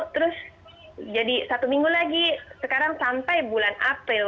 terus jadi satu minggu lagi sekarang sampai bulan april